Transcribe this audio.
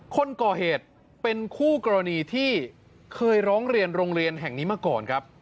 คนก่อเหตุเป็นคู่กรณีที่เคยร้องเรียนโรงเรียนแห่งนี้มาก่อนครับ